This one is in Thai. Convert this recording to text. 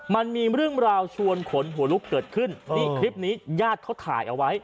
มันมีเรื่องราวชวนขนหัวลุกเกิดขึ้นนี่คลิปนี้ญาติเขาถ่ายเอาไว้